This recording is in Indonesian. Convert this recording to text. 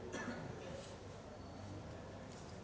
jangan ke sana